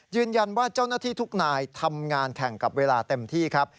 เจ้าหน้าที่ทุกนายทำงานแข่งกับเวลาเต็มที่ครับ